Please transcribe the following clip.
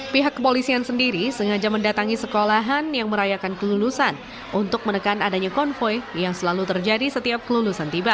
pihak kepolisian sendiri sengaja mendatangi sekolahan yang merayakan kelulusan untuk menekan adanya konvoy yang selalu terjadi setiap kelulusan tiba